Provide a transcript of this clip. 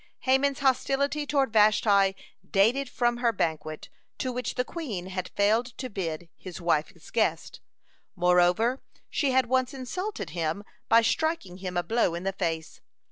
(96) Haman's hostility toward Vashti dated from her banquet, to which the queen had failed to bid his wife as guest. Moreover, she had once insulted him by striking him a blow in the face.